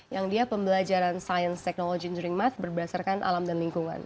yang dia pembelajaran science technology during math berbasarkan alam dan lingkungan